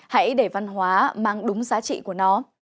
hãy để văn hóa mang đúng giá trị của nó